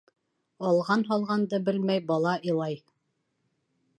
Алған һалғанды белмәй бала илай.